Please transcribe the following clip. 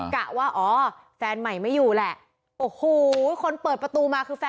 กะว่าแฟนใหม่ไม่อยู่แหละ